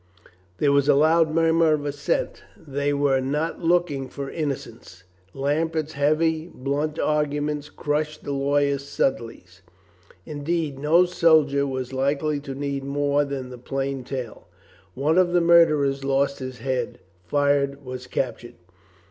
There was a loud murmur of assent. They were not looking for innocence. Lambert's heavy, blunt arguments crushed the lawyer's subtleties; indeed, no soldier was likely to need more than the plain tale. One of the murderers lost his head — fired — was captured.